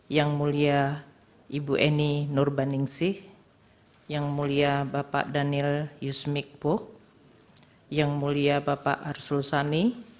yang mulia ibu eni nurbaningsih yang mulia bapak daniel yusmikpuk yang mulia bapak arsul sani